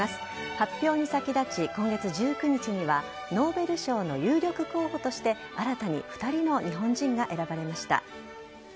発表に先立ち、今月１９日にはノーベル賞の有力候補として新たに２人の日本人が選ばれました。